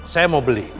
saya mau beli